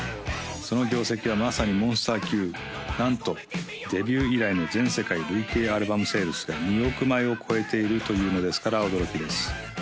その業績はまさにモンスター級なんとデビュー以来の全世界累計アルバムセールスが２億枚を超えているというのですから驚きです